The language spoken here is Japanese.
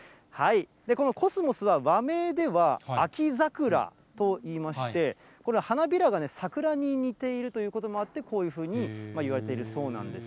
このコスモスは、和名では秋桜と言いまして、これ、花びらがね、桜に似ているということもあって、こういうふうにいわれているそうなんです。